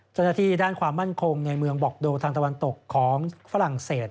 เจ้าหน้าที่ด้านความมั่นคงในเมืองบอกโดทางตะวันตกของฝรั่งเศส